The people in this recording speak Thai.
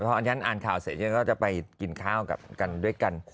พออันฉันอ่านข่าวเสร็จฉันก็จะไปกินข้าวกันด้วยกัน